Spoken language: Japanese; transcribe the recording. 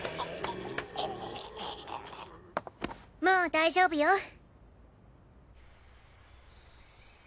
もう大丈夫よ。